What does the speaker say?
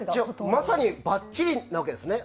まさに、ばっちりなわけですね。